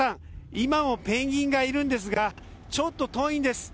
今もペンギンがいるんですがちょっと遠いんです。